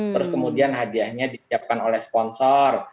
terus kemudian hadiahnya disiapkan oleh sponsor